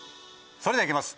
それではいきます。